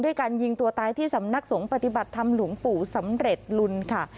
การยิงตัวตายที่สำนักสงฆ์ปฏิบัติธรรมหลวงปู่สำเร็จลุนค่ะ